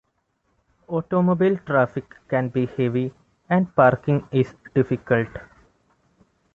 Automobile traffic can be heavy, and parking is difficult.